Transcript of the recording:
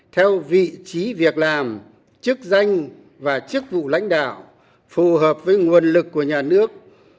theo vị trí việc làm chức danh và chức vụ lãnh đạo phù hợp với nguồn lực của nhà nước